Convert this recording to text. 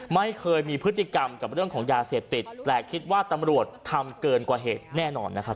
ไม่เคยมีพฤติกรรมกับเรื่องของยาเสพติดแต่คิดว่าตำรวจทำเกินกว่าเหตุแน่นอนนะครับ